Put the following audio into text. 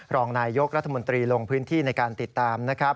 รองนายยกรัฐมนตรีลงพื้นที่ในการติดตามนะครับ